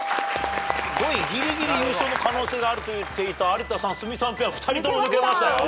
５位ぎりぎり優勝の可能性があると言っていた有田さん鷲見さんペア２人とも抜けました。